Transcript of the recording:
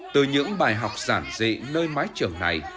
từ những bài học giản dị nơi mái trường này